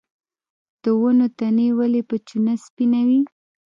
د ونو تنې ولې په چونه سپینوي؟